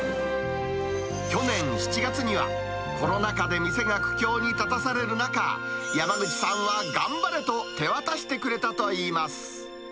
去年７月には、コロナ禍で店が苦境に立たされる中、山口さんは頑張れと手渡してくれたといいます。